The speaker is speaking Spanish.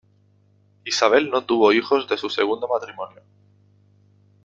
Isabel no tuvo hijos de su segundo matrimonio.